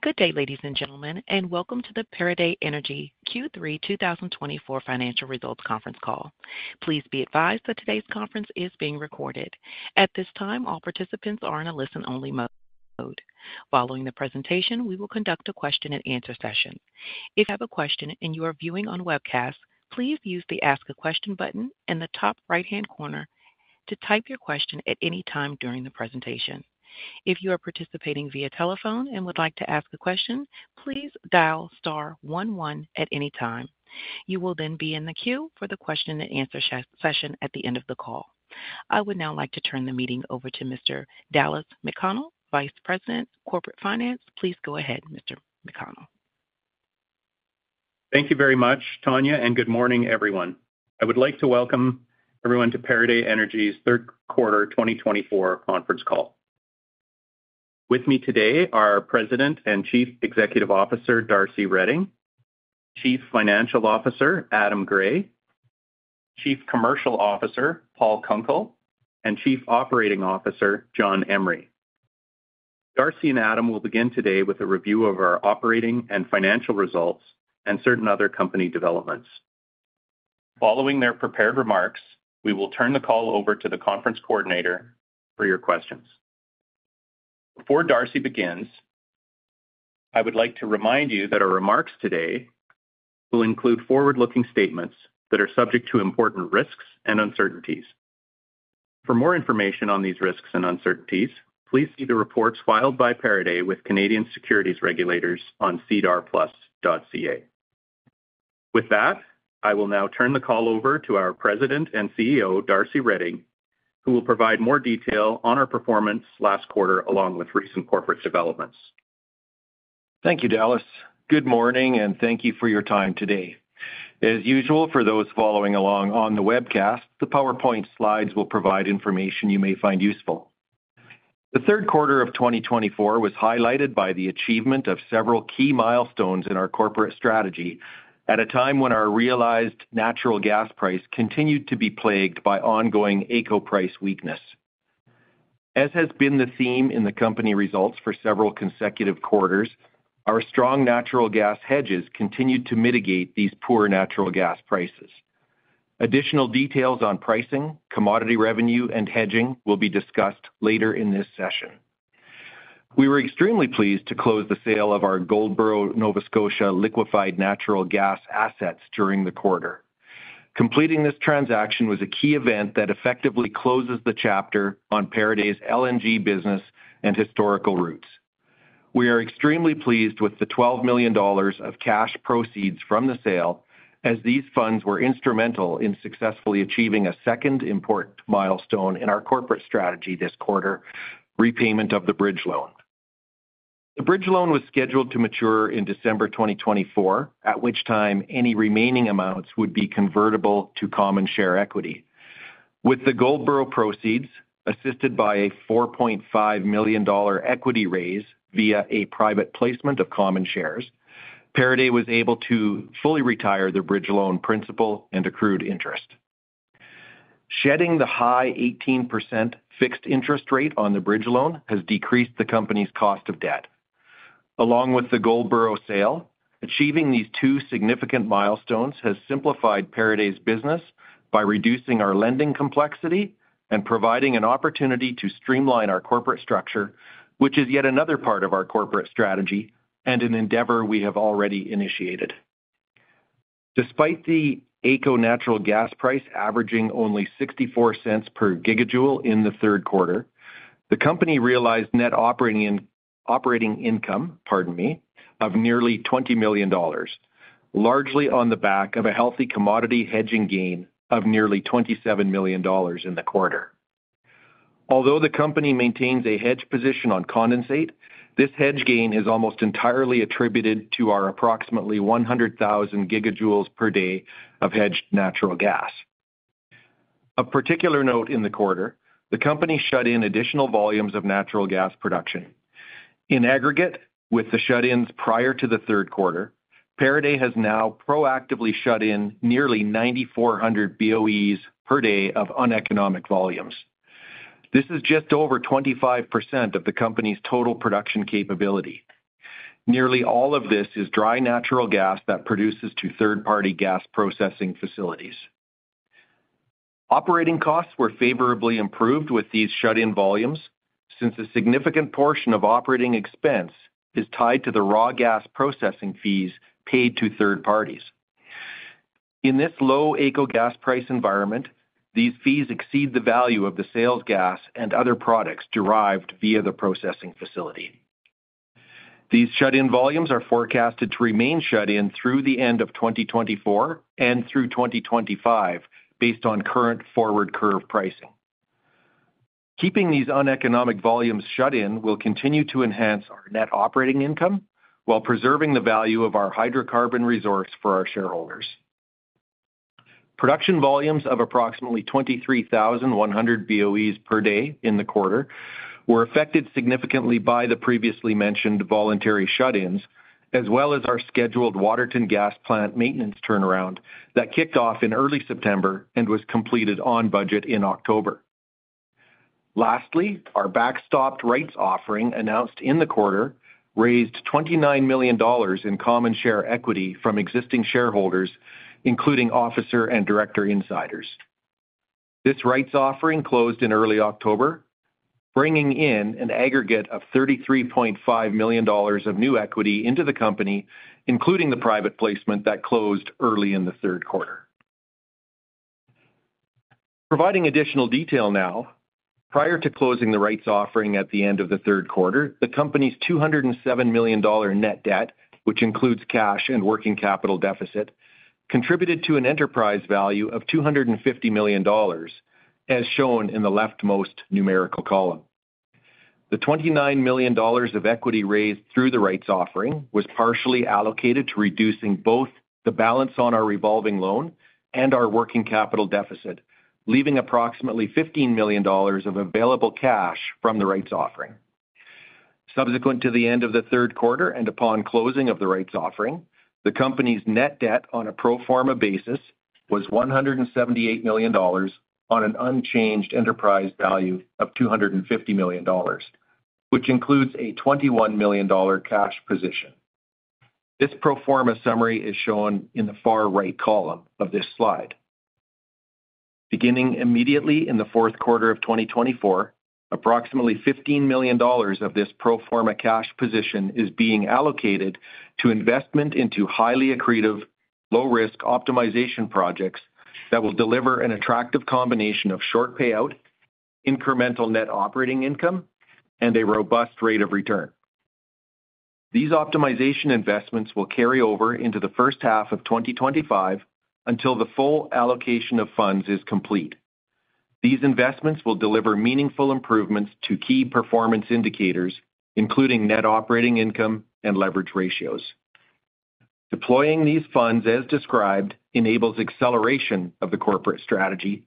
Good day, ladies and gentlemen, and welcome to the Pieridae Energy Q3 2024 financial results conference call. Please be advised that today's conference is being recorded. At this time, all participants are in a listen-only mode. Following the presentation, we will conduct a question-and-answer session. If you have a question and you are viewing on webcast, please use the Ask a Question button in the top right-hand corner to type your question at any time during the presentation. If you are participating via telephone and would like to ask a question, please dial star one one at any time. You will then be in the queue for the question-and-answer session at the end of the call. I would now like to turn the meeting over to Mr. Dallas McConnell, Vice President, Corporate Finance. Please go ahead, Mr. McConnell. Thank you very much, Tanya, and good morning, everyone. I would like to welcome everyone to Pieridae Energy's third quarter 2024 conference call. With me today are President and Chief Executive Officer Darcy Reding, Chief Financial Officer Adam Gray, Chief Commercial Officer Paul Kunkel, and Chief Operating Officer John Emery. Darcy and Adam will begin today with a review of our operating and financial results and certain other company developments. Following their prepared remarks, we will turn the call over to the conference coordinator for your questions. Before Darcy begins, I would like to remind you that our remarks today will include forward-looking statements that are subject to important risks and uncertainties. For more information on these risks and uncertainties, please see the reports filed by Pieridae with Canadian Securities Regulators on sedarplus.ca. With that, I will now turn the call over to our President and CEO, Darcy Reding, who will provide more detail on our performance last quarter along with recent corporate developments. Thank you, Dallas. Good morning, and thank you for your time today. As usual, for those following along on the webcast, the PowerPoint slides will provide information you may find useful. The third quarter of 2024 was highlighted by the achievement of several key milestones in our corporate strategy at a time when our realized natural gas price continued to be plagued by ongoing AECO price weakness. As has been the theme in the company results for several consecutive quarters, our strong natural gas hedges continued to mitigate these poor natural gas prices. Additional details on pricing, commodity revenue, and hedging will be discussed later in this session. We were extremely pleased to close the sale of our Goldboro, Nova Scotia liquefied natural gas assets during the quarter. Completing this transaction was a key event that effectively closes the chapter on Pieridae's LNG business and historical roots. We are extremely pleased with the 12 million dollars of cash proceeds from the sale, as these funds were instrumental in successfully achieving a second important milestone in our corporate strategy this quarter: repayment of the bridge loan. The bridge loan was scheduled to mature in December 2024, at which time any remaining amounts would be convertible to common share equity. With the Goldboro proceeds, assisted by a 4.5 million dollar equity raise via a private placement of common shares, Pieridae was able to fully retire the bridge loan principal and accrued interest. Shedding the high 18% fixed interest rate on the bridge loan has decreased the company's cost of debt. Along with the Goldboro sale, achieving these two significant milestones has simplified Pieridae's business by reducing our lending complexity and providing an opportunity to streamline our corporate structure, which is yet another part of our corporate strategy and an endeavor we have already initiated. De spite the AECO natural gas price averaging only 0.64 per gigajoule in the third quarter, the company realized net operating income of nearly 20 million dollars, largely on the back of a healthy commodity hedging gain of nearly 27 million dollars in the quarter. Although the company maintains a hedge position on condensate, this hedge gain is almost entirely attributed to our approximately 100,000 gigajoules per day of hedged natural gas. Of particular note in the quarter, the company shut in additional volumes of natural gas production. In aggregate, with the shut-ins prior to the third quarter, Pieridae has now proactively shut in nearly 9,400 BOEs per day of uneconomic volumes. This is just over 25% of the company's total production capability. Nearly all of this is dry natural gas that produces to third-party gas processing facilities. Operating costs were favorably improved with these shut-in volumes since a significant portion of operating expense is tied to the raw gas processing fees paid to third parties. In this low AECO gas price environment, these fees exceed the value of the sales gas and other products derived via the processing facility. These shut-in volumes are forecasted to remain shut-in through the end of 2024 and through 2025, based on current forward curve pricing. Keeping these uneconomic volumes shut-in will continue to enhance our net operating income while preserving the value of our hydrocarbon resource for our shareholders. Production volumes of approximately 23,100 BOEs per day in the quarter were affected significantly by the previously mentioned voluntary shut-ins, as well as our scheduled Waterton gas plant maintenance turnaround that kicked off in early September and was completed on budget in October. Lastly, our backstopped rights offering announced in the quarter raised 29 million dollars in common share equity from existing shareholders, including officer and director insiders. This rights offering closed in early October, bringing in an aggregate of 33.5 million dollars of new equity into the company, including the private placement that closed early in the third quarter. Providing additional detail now, prior to closing the rights offering at the end of the third quarter, the company's 207 million dollar net debt, which includes cash and working capital deficit, contributed to an enterprise value of 250 million dollars, as shown in the leftmost numerical column. The 29 million dollars of equity raised through the rights offering was partially allocated to reducing both the balance on our revolving loan and our working capital deficit, leaving approximately 15 million dollars of available cash from the rights offering. Subsequent to the end of the third quarter and upon closing of the rights offering, the company's net debt on a pro forma basis was 178 million dollars on an unchanged enterprise value of 250 million dollars, which includes a 21 million dollar cash position. This pro forma summary is shown in the far right column of this slide. Beginning immediately in the fourth quarter of 2024, approximately 15 million dollars of this pro forma cash position is being allocated to investment into highly accretive, low-risk optimization projects that will deliver an attractive combination of short payout, incremental net operating income, and a robust rate of return. These optimization investments will carry over into the first half of 2025 until the full allocation of funds is complete. These investments will deliver meaningful improvements to key performance indicators, including net operating income and leverage ratios. Deploying these funds as described enables acceleration of the corporate strategy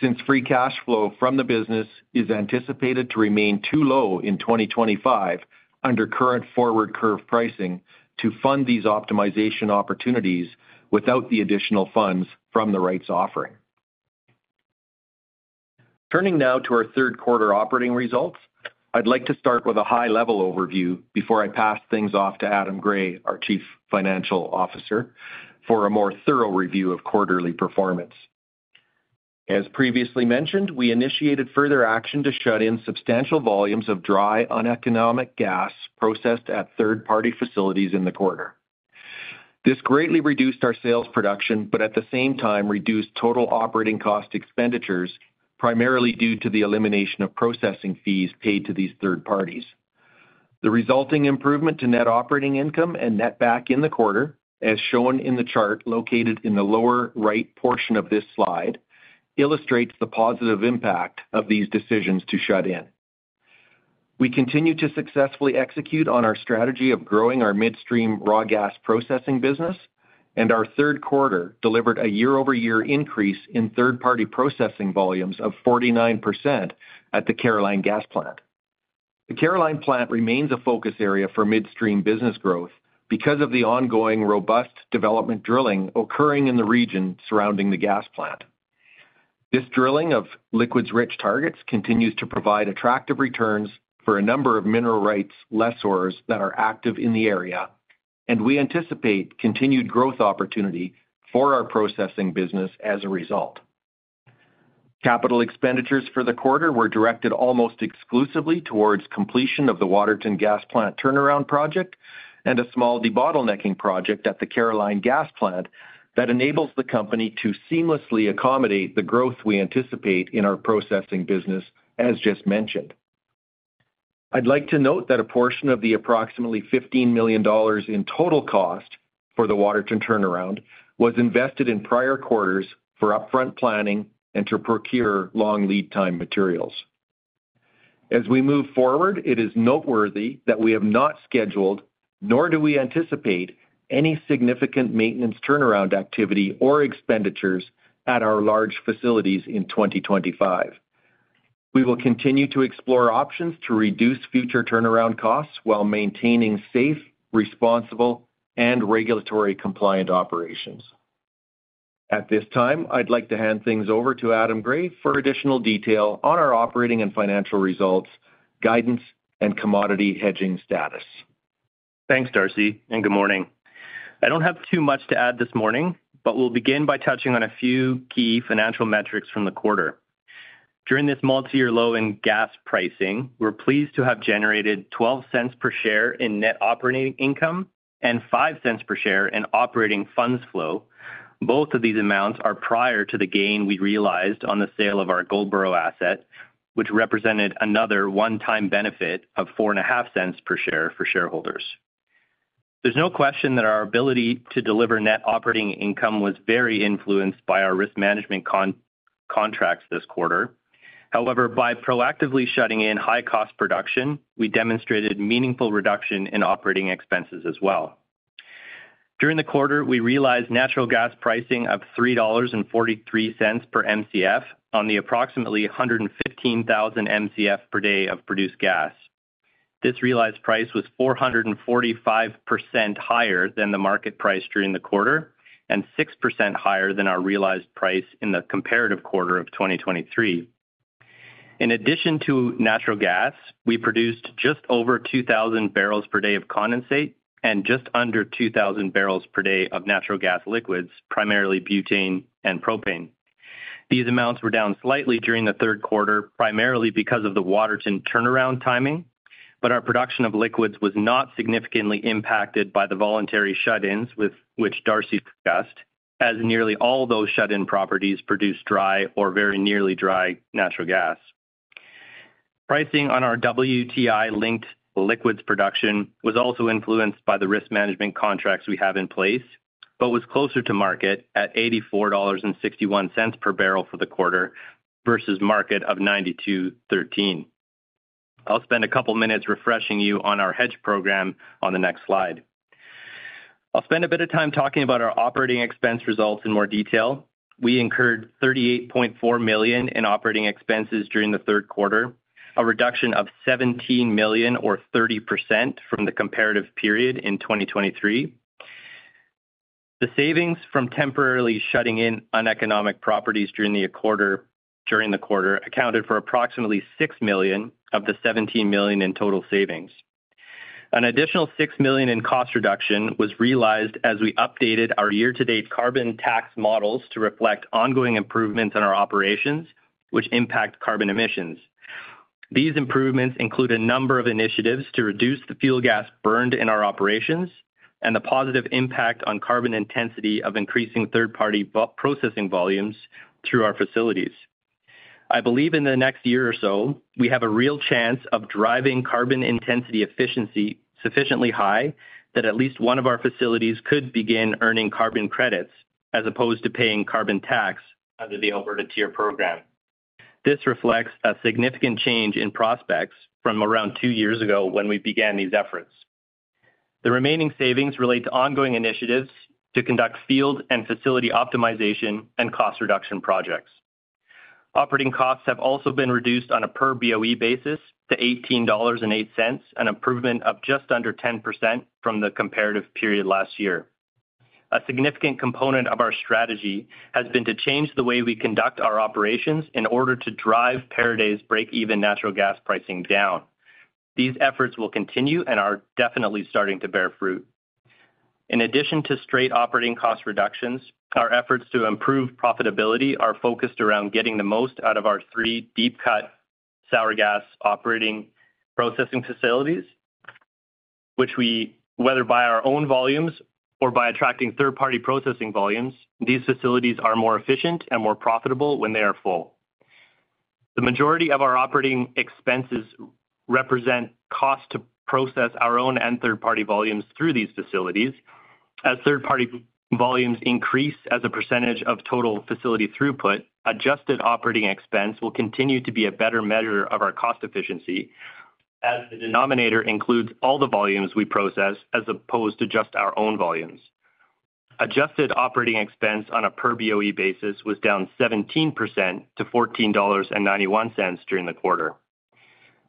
since free cash flow from the business is anticipated to remain too low in 2025 under current forward curve pricing to fund these optimization opportunities without the additional funds from the rights offering. Turning now to our third quarter operating results, I'd like to start with a high-level overview before I pass things off to Adam Gray, our Chief Financial Officer, for a more thorough review of quarterly performance. As previously mentioned, we initiated further action to shut in substantial volumes of dry uneconomic gas processed at third-party facilities in the quarter. This greatly reduced our sales production, but at the same time reduced total operating cost expenditures, primarily due to the elimination of processing fees paid to these third parties. The resulting improvement to net operating income and net back in the quarter, as shown in the chart located in the lower right portion of this slide, illustrates the positive impact of these decisions to shut in. We continue to successfully execute on our strategy of growing our midstream raw gas processing business, and our third quarter delivered a year-over-year increase in third-party processing volumes of 49% at the Caroline gas plant. The Caroline plant remains a focus area for midstream business growth because of the ongoing robust development drilling occurring in the region surrounding the gas plant. This drilling of liquids-rich targets continues to provide attractive returns for a number of mineral rights lessors that are active in the area, and we anticipate continued growth opportunity for our processing business as a result. Capital expenditures for the quarter were directed almost exclusively towards completion of the Waterton gas plant turnaround project and a small debottlenecking project at the Caroline gas plant that enables the company to seamlessly accommodate the growth we anticipate in our processing business, as just mentioned. I'd like to note that a portion of the approximately 15 million dollars in total cost for the Waterton turnaround was invested in prior quarters for upfront planning and to procure long lead-time materials. As we move forward, it is noteworthy that we have not scheduled, nor do we anticipate any significant maintenance turnaround activity or expenditures at our large facilities in 2025. We will continue to explore options to reduce future turnaround costs while maintaining safe, responsible, and regulatory-compliant operations. At this time, I'd like to hand things over to Adam Gray for additional detail on our operating and financial results, guidance, and commodity hedging status. Thanks, Darcy, and good morning. I don't have too much to add this morning, but we'll begin by touching on a few key financial metrics from the quarter. During this multi-year low in gas pricing, we're pleased to have generated 0.12 per share in net operating income and 0.05 per share in operating funds flow. Both of these amounts are prior to the gain we realized on the sale of our Goldboro asset, which represented another one-time benefit of 0.045 per share for shareholders. There's no question that our ability to deliver net operating income was very influenced by our risk management contracts this quarter. However, by proactively shutting in high-cost production, we demonstrated meaningful reduction in operating expenses as well. During the quarter, we realized natural gas pricing of 3.43 dollars per MCF on the approximately 115,000 MCF per day of produced gas. This realized price was 445% higher than the market price during the quarter and 6% higher than our realized price in the comparative quarter of 2023. In addition to natural gas, we produced just over 2,000 barrels per day of condensate and just under 2,000 barrels per day of natural gas liquids, primarily butane and propane. These amounts were down slightly during the third quarter, primarily because of the Waterton turnaround timing, but our production of liquids was not significantly impacted by the voluntary shut-ins with which Darcy discussed, as nearly all those shut-in properties produce dry or very nearly dry natural gas. Pricing on our WTI-linked liquids production was also influenced by the risk management contracts we have in place, but was closer to market at 84.61 dollars per barrel for the quarter versus market of 92.13. I'll spend a couple of minutes refreshing you on our hedge program on the next slide. I'll spend a bit of time talking about our operating expense results in more detail. We incurred 38.4 million in operating expenses during the third quarter, a reduction of 17 million, or 30%, from the comparative period in 2023. The savings from temporarily shutting in uneconomic properties during the quarter accounted for approximately 6 million of the 17 million in total savings. An additional 6 million in cost reduction was realized as we updated our year-to-date carbon tax models to reflect ongoing improvements in our operations, which impact carbon emissions. These improvements include a number of initiatives to reduce the fuel gas burned in our operations and the positive impact on carbon intensity of increasing third-party processing volumes through our facilities. I believe in the next year or so, we have a real chance of driving carbon intensity efficiency sufficiently high that at least one of our facilities could begin earning carbon credits as opposed to paying carbon tax under the output-based TIER program. This reflects a significant change in prospects from around two years ago when we began these efforts. The remaining savings relate to ongoing initiatives to conduct field and facility optimization and cost reduction projects. Operating costs have also been reduced on a per BOE basis to 18.08 dollars, an improvement of just under 10% from the comparative period last year. A significant component of our strategy has been to change the way we conduct our operations in order to drive Pieridae's break-even natural gas pricing down. These efforts will continue and are definitely starting to bear fruit. In addition to straight operating cost reductions, our efforts to improve profitability are focused around getting the most out of our three deep-cut sour gas processing facilities, which, whether by our own volumes or by attracting third-party processing volumes, these facilities are more efficient and more profitable when they are full. The majority of our operating expenses represent cost to process our own and third-party volumes through these facilities. As third-party volumes increase as a percentage of total facility throughput, adjusted operating expense will continue to be a better measure of our cost efficiency as the denominator includes all the volumes we process as opposed to just our own volumes. Adjusted operating expense on a per BOE basis was down 17% to 14.91 dollars during the quarter.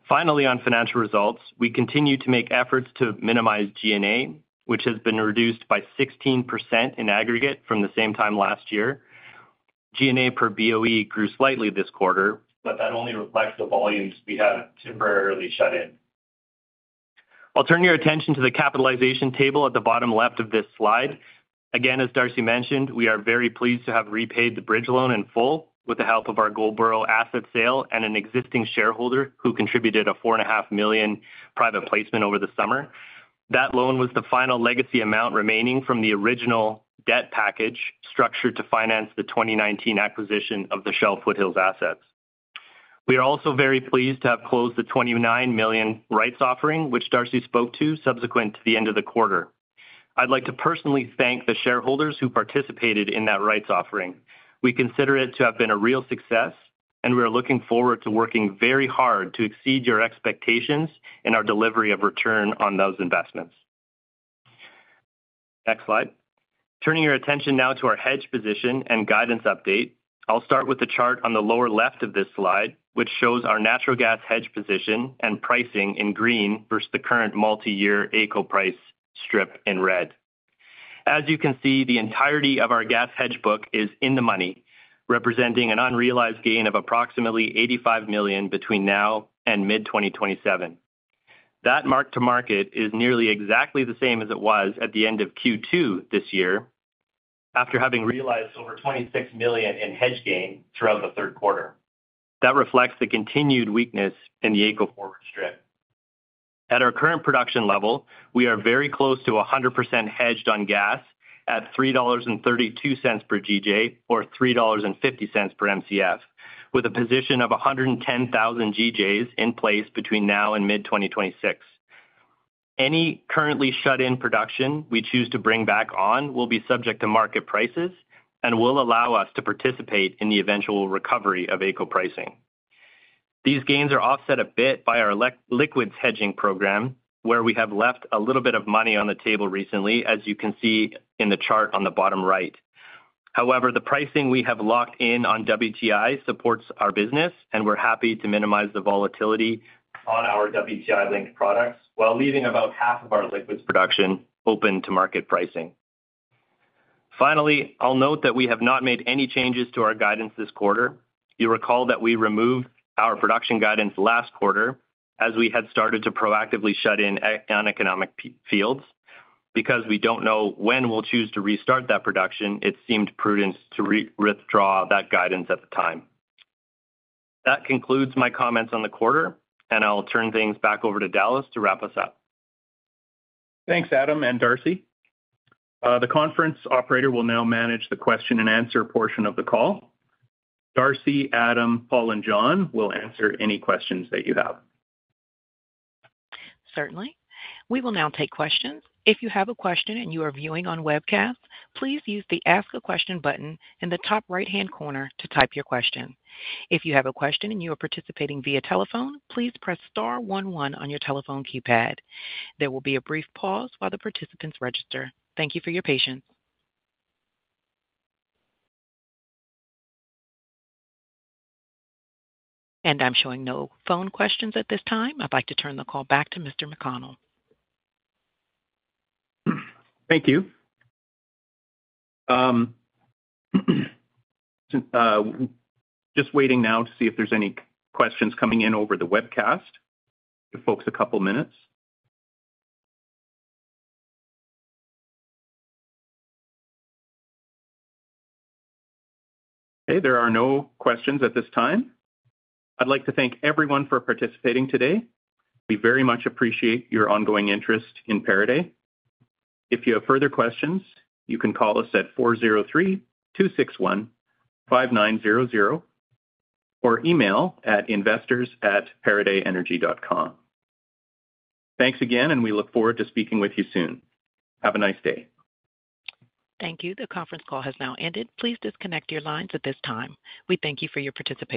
Finally, on financial results, we continue to make efforts to minimize G&A, which has been reduced by 16% in aggregate from the same time last year. G&A per BOE grew slightly this quarter, but that only reflects the volumes we have temporarily shut in. I'll turn your attention to the capitalization table at the bottom left of this slide. Again, as Darcy mentioned, we are very pleased to have repaid the bridge loan in full with the help of our Goldboro asset sale and an existing shareholder who contributed a 4.5 million private placement over the summer. That loan was the final legacy amount remaining from the original debt package structured to finance the 2019 acquisition of the Shell Foothills assets. We are also very pleased to have closed the 29 million rights offering, which Darcy spoke to subsequent to the end of the quarter. I'd like to personally thank the shareholders who participated in that rights offering. We consider it to have been a real success, and we are looking forward to working very hard to exceed your expectations in our delivery of return on those investments. Next slide. Turning your attention now to our hedge position and guidance update, I'll start with the chart on the lower left of this slide, which shows our natural gas hedge position and pricing in green versus the current multi-year AECO price strip in red. As you can see, the entirety of our gas hedge book is in the money, representing an unrealized gain of approximately 85 million between now and mid-2027. That mark-to-market is nearly exactly the same as it was at the end of Q2 this year, after having realized over 26 million in hedge gain throughout the third quarter. That reflects the continued weakness in the AECO forward strip. At our current production level, we are very close to 100% hedged on gas at 3.32 dollars per GJ, or 3.50 dollars per MCF, with a position of 110,000 GJs in place between now and mid-2026. Any currently shut-in production we choose to bring back on will be subject to market prices and will allow us to participate in the eventual recovery of AECO pricing. These gains are offset a bit by our liquids hedging program, where we have left a little bit of money on the table recently, as you can see in the chart on the bottom right. However, the pricing we have locked in on WTI supports our business, and we're happy to minimize the volatility on our WTI-linked products while leaving about half of our liquids production open to market pricing. Finally, I'll note that we have not made any changes to our guidance this quarter. You recall that we removed our production guidance last quarter as we had started to proactively shut in uneconomic fields. Because we don't know when we'll choose to restart that production, it seemed prudent to withdraw that guidance at the time. That concludes my comments on the quarter, and I'll turn things back over to Dallas to wrap us up. Thanks, Adam and Darcy. The conference operator will now manage the question-and-answer portion of the call. Darcy, Adam, Paul, and John will answer any questions that you have. Certainly. We will now take questions. If you have a question and you are viewing on webcast, please use the Ask a Question button in the top right-hand corner to type your question. If you have a question and you are participating via telephone, please press star one one on your telephone keypad. There will be a brief pause while the participants register. Thank you for your patience, and I'm showing no phone questions at this time. I'd like to turn the call back to Mr. McConnell. Thank you. Just waiting now to see if there's any questions coming in over the webcast. Give folks a couple of minutes. Okay. There are no questions at this time. I'd like to thank everyone for participating today. We very much appreciate your ongoing interest in Pieridae. If you have further questions, you can call us at 403-261-5900 or email at investors@pieridaeenergy.com. Thanks again, and we look forward to speaking with you soon. Have a nice day. Thank you. The conference call has now ended. Please disconnect your lines at this time. We thank you for your participation.